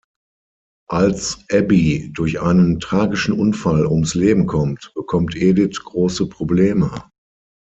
Als Abby durch einen tragischen Unfall ums Leben kommt, bekommt Edith große Probleme.